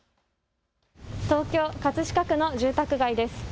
東京葛飾区の住宅街です。